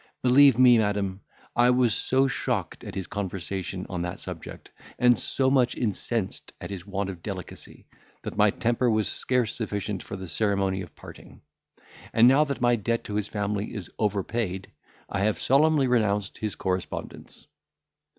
Believe me, madam, I was so shocked at his conversation on that subject, and so much incensed at his want of delicacy, that my temper was scarce sufficient for the ceremony of parting. And, now that my debt to his family is over paid, I have solemnly renounced his correspondence."